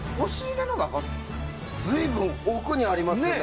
随分奥にありますね。